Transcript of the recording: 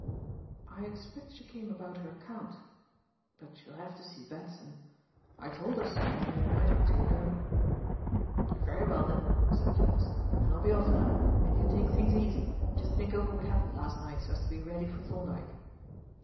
"I expect she came about her account. But she'll have to see Batson. I told her so, only a night or two ago." "Very well," said Jervis, "then I'll be off now, and you take things easy and just think over what happened last night, so as to be ready for Thorndyke."